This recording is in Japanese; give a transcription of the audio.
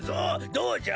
どうじゃ？